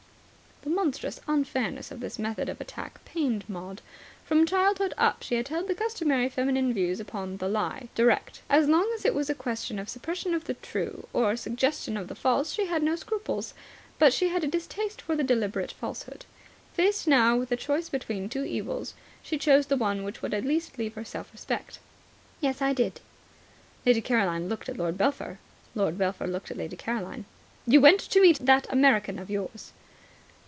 The monstrous unfairness of this method of attack pained Maud. From childhood up she had held the customary feminine views upon the Lie Direct. As long as it was a question of suppression of the true or suggestion of the false she had no scruples. But she had a distaste for deliberate falsehood. Faced now with a choice between two evils, she chose the one which would at least leave her self respect. "Yes, I did." Lady Caroline looked at Lord Belpher. Lord Belpher looked at Lady Caroline. "You went to meet that American of yours?"